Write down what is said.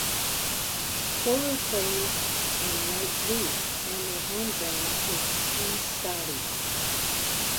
Follo play in light blue, and their home ground is Ski stadion.